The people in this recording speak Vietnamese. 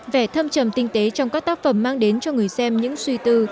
vẻ thâm trầm tinh tế trong các tác phẩm mang đến cho người xem những suy tư